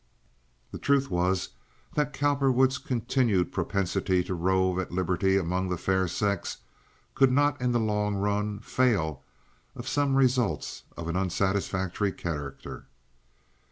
The truth was that Cowperwood's continued propensity to rove at liberty among the fair sex could not in the long run fail of some results of an unsatisfactory character.